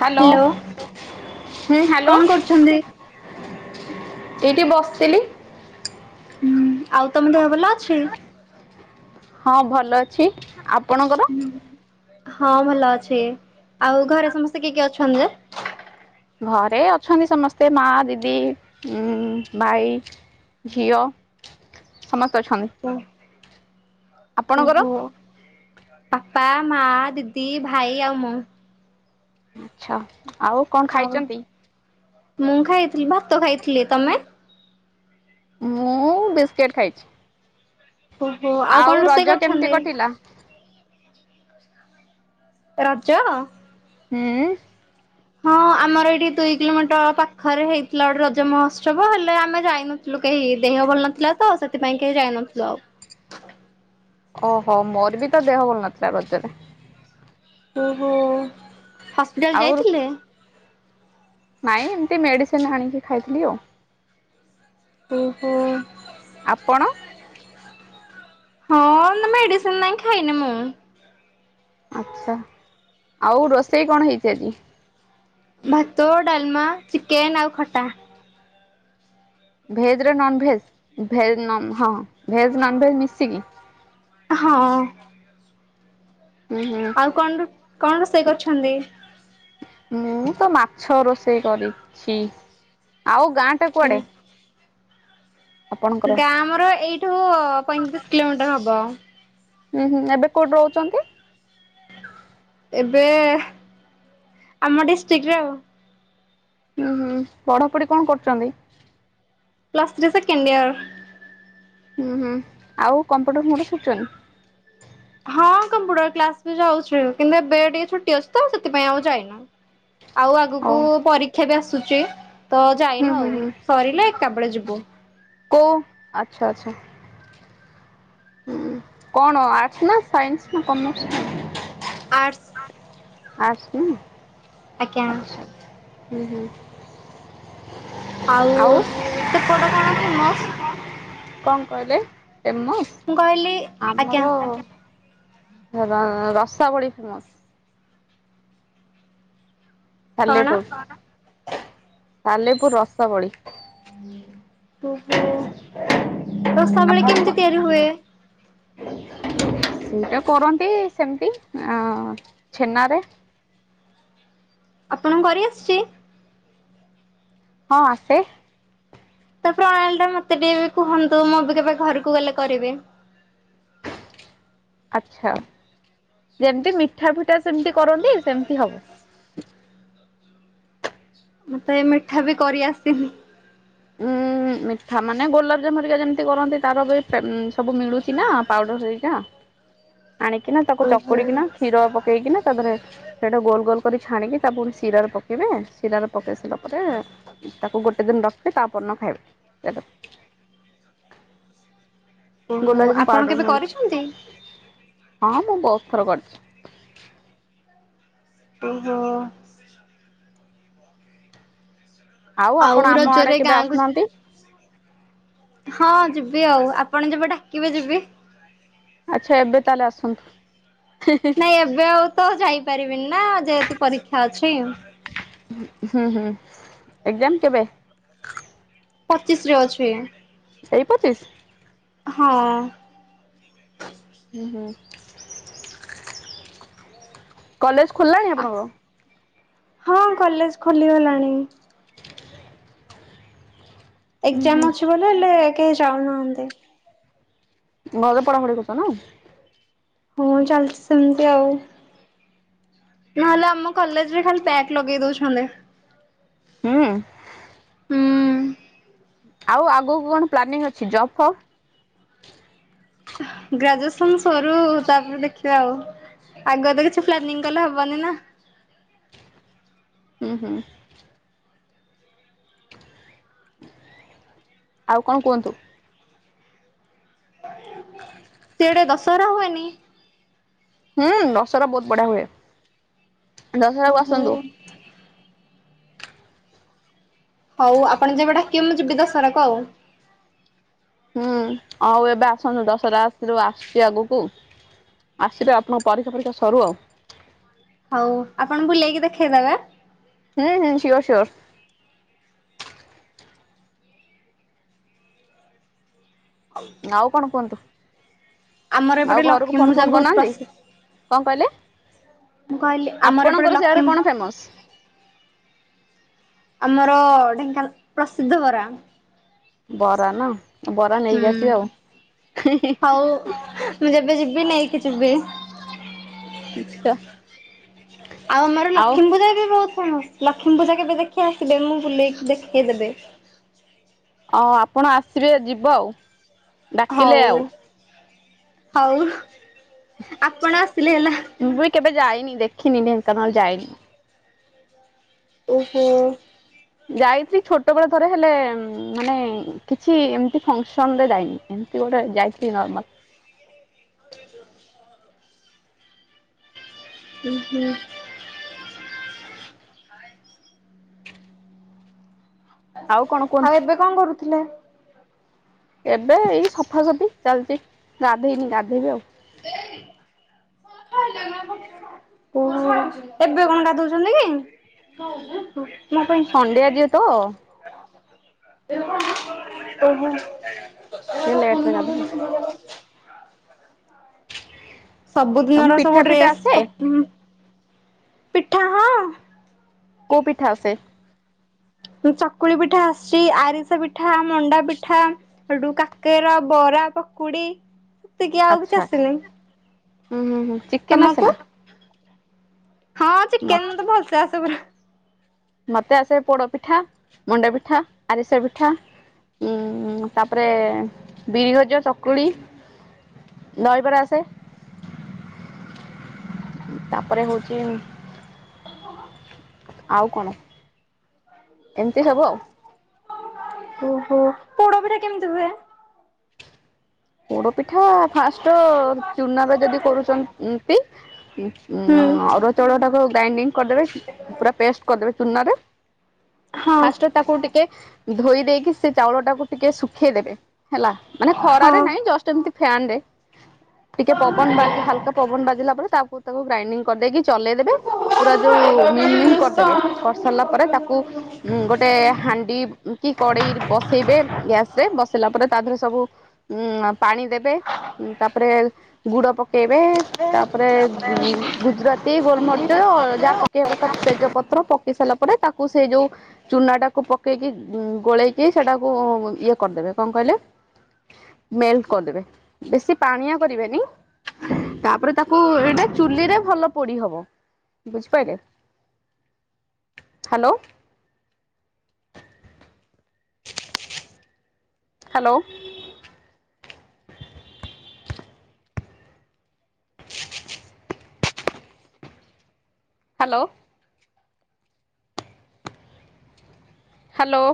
Hello ହୁଁ hello କଣ କରୁଛନ୍ତି? ଏଇଠି ବସିଥିଲି। ହୁଂ ଆଉ ତମ ଦେହ ଭଲ ଅଛି? ହଁ ଭଲ ଅଛି ଆପଣଙ୍କର? ହଁ ଭଲ ଅଛି ଆଉ ଘରେ ସମସ୍ତେ କିଏ କିଏ ଅଛନ୍ତି ଯେ? ଘରେ ଅଛନ୍ତି ସମସ୍ତେ ମା ଦିଦି ମୁଂ ଭାଇ। ଝିଅ ସମସ୍ତେ ଅଛନ୍ତି ଆପଣଙ୍କର? ଓହୋ ବାପା ମା ଦିଦି ଭାଇ ଆଉ ମୁଁ। ଆଛା ଆଉ? କଣ ଆଉ ଖାଇଛନ୍ତି ମୁଁ ଖାଇଥିଲି ଭାତ ଖାଇଥିଲି ତମେ? ମୁଁ ବିସ୍କିଟ୍ ଖାଇଛି। [inaudible] ଆଉ ରୋଷେଇ ରଜ କେମିତି କରିଛନ୍ତି? କଟିଲା? ରାଜ? ହୁଁ ହଁ ଆମର ଏଇଠି ଦୁଇ କିଲୋମିଟର ପାଖରେ ହେଇଥିଲା ଗୋଟେ ରଜ ମହୋତ୍ସବ ହେଲେ ଆମେ ଯାଇନୁୁ। ଥିଲୁ କେହି ଦେହ ଭଲ ନଥିଲା ତ ସେଥିପାଇଁ କେହି ଯାଇନଥିଲୁ ଆଉ। ଓହୋ ମୋର ବି ତ ଦେହ ଭଲ ନଥିଲା ରଜରେ। ଓହୋ ହସ୍ପିଟାଲ ଆଉ ଯାଇଥିଲେ? ନାଇଁ ଏମିତି ମେଡିସିନ ଆଣିକି ଖାଇଥିଲି ଆଉ। ଓହୋ। ଆପଣ? ହଁ ନା ମେଡିସିନ ନହିଁ ଖାଇନି ମୁଁ। ଆଛା ଆଉ ରୋଷେଇ କଣ ହେଇଛି ଆଜି? ଭାତ ଡାଲମା ଚିକେନ ଆଉ ଖଟା। ଭେଜ ର ନନଭେଜ୍ ଭେଜ [unintelligible] ଭେଜ ନନଭେଜ୍ ମିଶିକି। ହଁ। ହୁଁ ହୁଁ ଆଉ କଣ କଣ ରୋଷେଇ କରିଛନ୍ତି? ମୁଁ ତ ମାଛ ରୋଷେଇ କରି ଛି। ଆଉ ଗାଁ ଟା କୁଆଡେ? ଆପଣଙ୍କର ଗାଁ ଆମର ଏଇଠୁ ପଇଁତିରିଶ କିଲୋମିଟର ହବ। ହୁଁ ହୁଁ ଏବେ କୋଉଠି ରହୁଛନ୍ତି? ଏବେ ଆମ ଡିଷ୍ଟ୍ରିକରେ ଆଉ। [inaudible] ପଢା ପଢି କଣ କରୁଛନ୍ତି? Plus three second year. [inaudible] ଆଉ କମ୍ପ୍ୟୁଟର [unintelligible] ହଁ କମ୍ପୁଟର କ୍ଲାସ ବି ଯାଉଛୁ କିନ୍ତୁ ଏବେ ଟିକେ ଛୁଟି ଅଛି ତ ସେଥିପାଇଁ ଆଉ ଯାଇନୁ। ଆଉ ଓ ଆଗକୁ ପରୀକ୍ଷା ବି ଆସୁଛି ତ ହୁଁ ଯାଇନୁ ହୁଁ ଆଉ ହୁଁ ସରିଲେ ଏକା ବେଳେ ଯିବୁ। କୋଉ ଆଛା ଆଛା। କଣ ଆର୍ଟସ୍ ନା ସାଇନ୍ସ ନା କମର୍ସ? ଆର୍ଟ୍ସ୍। ଆଜ୍ଞା [unintelligible] ଆଉ ସେପଟ କଣ ଫେମସ୍? କଣ କହିଲେ ଫେମସ୍ ମୁଁ କହିଲି ଆଜ୍ଞା ଆମର ର ରସାବଳି ଫେମସ। କଣ? ସାଲେପୁର ସାଲେପୁର ରସାବଳି। ଓହୋ ରସାବଳୀ କେମିତି ତିଆରି ହୁଏ? ସେଟା କରନ୍ତି ସେମିତି ଅ ଛେନା ରେ। ଆପଣଙ୍କୁ କରି ଆସିଛି? ହଁ ଆସେ। ତ ପ୍ରଣାଳୀ ଟା ମତେ ଟିକେ ବି କୁହନ୍ତୁ ମୁଁ ବି କେବେ ଘରକୁ ଗଲେ କରିବି? ଆଚ୍ଛା ଯେମିତି ମିଠା ଫିଠା ସେମିତି କରନ୍ତି ସେମିତି ହବ। ମତେ ଏ ମିଠା ବି କରି ଆସିନି। ଉଁ ମିଠା ମାନେ ଗୋଲାପଜାମୁନ ହରିକା ଯେମିତି କରନ୍ତି ତାର ବି ସବୁ ମିଳୁଛି ନା ପାଉଡର ହେରିକା ଆଣିକିନା ତାକୁ ଓହୋ ଚକୁଡିକିନା କ୍ଷୀର ପ ପକେଇକିନା ତାଥରେ ସେଇଟା ଗୋଲ ଗୋଲ କରି ଛାଣିକି ତା ପଣି ଶିରାରେ ପକେଇବେ। ସିରାରେ ପକେଇ ସାରିଲା ପରେ ତାକୁ ଗୋଟେ ଦିନ ରଖିବେ ତାପର ଦିନ ଖାଇବେ। ଓହୋ ଗୋଲାପ ଜାମୁନ ଆପଣ ପାଉଡର କେବେ ମିଳୁଛି କରିଛନ୍ତି? ହଁ ମୁଁ ବହୁତ ଥର କରିଛି। ଓହୋ। ଆପଣ ଆଉ ଆମ ଆଡେ ରଜରେ କେବେ ଗାଁକୁ ଆସୁନାହାନ୍ତି ହଁ ଯିବି ଆଉ ଆପଣ ଯବେ ଡାକିବେ ଯିବି। ଆଚ୍ଛା ଏବେ ତାହେଲେ ଆସନ୍ତୁ [unintelligible] ନାଇଁ ଏବେ ଆଉ ତ ଯାଇପାରିବିନି ନା ଯେହେତୁ ପରୀକ୍ଷା ଅଛି। ହୁଁ ହୁଁ ଏକଜାମ କେବେ? ପଚିଶ ରେ ଅଛି। ଏଇ ପଚିଶ? ହଁ। ହୁଁ ହୁଁ। କଲେଜ ଖୋଲିଲାଣି ଆପଣଙ୍କ? ହଁ କଲେଜ ଖୋଲିଗଲାଣି। ହୁଁ ହୁଁ ଏକ୍ଜାମ ଅଛି ଵଲେ ହେଲେ କେହି ଯାଉନାହାନ୍ତି। ଘରେ ପଢାପଢି କରୁଛ ନା? ହଁ ଚାଲିଛି ସେମିତି ଆଉ। ନହେଲେ ଆମ କଲେଜରେ ଖାଲି ବ୍ୟାକ ଲଗେଇ ଦଉଛନ୍ତି। ହୁଁ। ହୁଁ ଆଉ ଆଗକୁ କଣ ପ୍ଲାନିଂ ଅଛି ଜବ ଫବ? ଗ୍ରାଜୁଏସନ ସରୁ ତାପରେ ଦେଖିବା ଆଉ ଆଗ ତ କିଛି ପ୍ଲାନିଂ କଲେ ହବନି ନା। ହୁଁ ହୁଁ। ଆଉ କଣ କୁହନ୍ତୁ? ସେଆଡେ ଦଶହରା ହୁଏନି? ହୁଁ ଦଶହରା ବହୁତ ବଢିଆ ହୁଏ ଦଶହରା କୁ ଓହୋ ଆସନ୍ତୁ। ହଉ ଆପଣ ଯେବେ ଡାକିବେ ମୁଁ ଯିବି ଦଶହରାକୁ ଆଉ। ହୁଁ ଆଉ ଏବେ ଆସନ୍ତୁ ଦଶହରା ଆଗକୁ ଆସୁଛି ଆଗକୁ। ଆସିବେ ଆପଣ ପରୀକ୍ଷା ଫରୀକ୍ଷା ସରୁ ଆଉ। ହଉ ଆପଣ ବୁଲେଇକି ଦେଖେଇଦେବେ। ହୁଁ ହୁଁ ସିଓର ସିଓର। ଆଉଁ। ଆଉ କଣ କୁହନ୍ତୁ? ଆମର ଆଉ ଏପଟେ ଘରକୁ ଲକ୍ଷ୍ମୀ ଫୋନ ପୂଜା ଫୋନ ବହୁତ କରୁନାହାନ୍ତି। ପ୍ରସିଦ୍ଧ। କଣ କହିଲେ? ମୁଁ କହିଲି ଆମର ଏପଟେ ଆପଣଙ୍କର ସେଆଡେ ଲକ୍ଷ୍ମୀ କଣ ଫେମସ? ଆମର ଢେଙ୍କାନାଳ ପ୍ରସିଦ୍ଧ ବରା। ବରା ନାଁ ବରା ନେଇକି ଆସିବି ହୁଁ। ଆଉ। ହଉ ମୁଁ ଯେବେ ଯିବି ନେଇକି ଯିବି। ଆଚ୍ଛା। ଆଉ ଆମର ଲକ୍ଷ୍ମୀ ପୂଜା ବି ବହୁତ ଫେମସ। ଲକ୍ଷ୍ମୀ ପୂଜା କେବେ ଦେଖି ଆସିବେ ମୁଁ ବୁଲେଇକି ଦେଖାଇ ଦେବି। ଓ ହୋ ଆପଣ ଆସିବେ ଯିବ ଆଉ। ଡାକିଲେ ହଉ ଆଉ ହଉ ଆପଣ ଆସିଲେ ହେଲା। ମୁଁ ବି କେବେ ଯାଇନି ଦେଖିନି ଢେଙ୍କାନାଳ ଯାଇନି? ଓ ହୋ। ଯାଇଥିଲି ଛୋଟ ବଳେ ଥରେ ହେଲେ ମାନେ କିଛି ଏମିତି ଫକ୍ସନ ରେ ଯାଇନି। ଏମିତି ଗୋଟେ ଯାଇଥିଲି ନର୍ମାଲ। ହ ହ ଉଁ ହୁଁ ଆଉ କଣ କୁହନ୍ତୁ ଆଉ ଏବେ କଣ କରୁଥିଲେ? ଏବେ ଏଇ ସଫା ସଫି ଚାଲିଚି ଗାଧେଇନି ଗାଧେଇବି ଆଉ। ହେଁ ଇଏ ଲାଗୁ। ଓ ହୋ ଏବେ କଣ ଗାଧୋଉଛନ୍ତି କି? ମୋ ପାଇଁ। ସଣ୍ଡେ ଆଜି ତ ରହ ଓ ହୋ। ଏଗୁରା କଣ ଟିକେ ଲେଟ ରେ ଫୋନ୍ ଗାଧେଇବି। ଲଗଉନଥିଲୁ ଏଟା କଣ? ତମକୁ ସବୁଦିନର ସବୁ ପିଠା ଫିଠା ଡ୍ରେସ୍ ଆସେ କଁ ପମଁ ପିଠା ହଁ। କୋଉଁ ପିଠା ଆସେ? ଉଁ ଚକୁଳି ପିଠା ଆସିଛି ଆରିସା ପିଠା ମଣ୍ଡା ପିଠା। ସେଠୁ କାକେରା ବରା ପକୁଡି ଏତିକି ଆଉ କିଛି ଆଚ୍ଛା ଆଚ୍ଛା ହୁଁ ହୁଁ ହୁଁ ଆସେନାହିଁ ଚିକେନ ଆସେ ତମକୁ। ହଁ ନା? ଚିକେନ ମୋତେ ଭଲସେ ଆସେ ପରା। ମତେ ଆସେ ପୋଡପିଠା ମଣ୍ଡା ପିଠା ଆରିସା ପିଠା। ଉଁ ହୁଁ ତାପରେ ବିରଜା ଚକୁଳି। ଦହିବରା ଆସେ। ତାପରେ ହଉଛି ଆଉ କଣ ଏମିତି ସବୁ ଆଉ? ଓହୋ ପୋଡ ପିଠା କେମିତି ହୁଏ? ପୋଡ ପିଠା ଫାଷ୍ଟ ଚୁନାରେ ଯଦି କରୁଛନ୍ତି ଉଁ ହୁଁ ଅରୁଆ ଚାଉଳ ଟାକୁ ଗ୍ରାଇଣ୍ଡିଙ୍ଗ କରିଦେବେ ପୁରା ପେଷ୍ଟ କରିଦେବେ ଚୁନାରେ ହଁ ଫାଷ୍ଟ ତାକୁ ଟିକେ, ଧୋଇ ଦେଇକି ସେ ଚାଉଳ ଟାକୁ ଟିକେ ଶୁଖେଇଦେବେ ହେଲା ମାନେ ଖରା ହଁ। ଜଷ୍ଟ ଏମିତି ଫ୍ୟାନ ରେ ଟିକେ ପବନ ବାଜୁ ହାଲକା ପବନ ବାଜିଲା ପରେ ତାକୁ ତାକୁ ଗ୍ରାଇଡିଙ୍ଗ କରିଦେଇକି ଚଲେଇଦେବେ ପୁରା ଯୋଉ ମିନ୍ ମିିନ୍ କରିଦେବେ କରି ସାରିଲା ପରେ ତାକୁ ଗୋଟେ ହାଣ୍ଡି କି କଡ଼େଇ ବସେଇବେ ଗ୍ୟାସ ରେ ବସେଇଲା ପରେ ତା ଦେହରେ ସବୁ ହୁଁ ପାଣି ଦେବେ ତାପରେ ଗୁଡ ପକେଇବେ ତାପରେ ଗୁଜୁରା ସେଇ ଗୋଲମରିଚ ଯାହା ପକେଇବା କଥା ତେଜ ପତ୍ର ପକେଇ ସାରିଲା ପରେ ତାକୁ ସେଇ ଯୋଉ ଚୁନାଟାକୁ ପକେଇକି ଗୋଳେଇକି ସେଟାକୁ ଇଏ କରିଦେବେ କ କହିଲେ? ମେଲଟ୍ କରିଦେବେ ବେଶୀ ପାଣିଆ କରିବେନି। ତାପରେ ତାକୁ ଏଇଟା ଚୁଲି ରେ ଭଲ ପୋଡି ହବ। ବୁଝିପାଇଲେ? ହ୍ୟାଲୋ। ହ୍ୟାଲୋ। ହ୍ୟାଲୋ। ହ୍ୟାଲୋ।